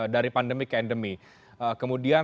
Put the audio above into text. dari pandemi ke endemi